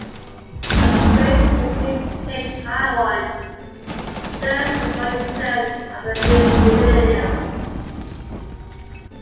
A strange disease hits Taiwan just before the turn of the new millennium.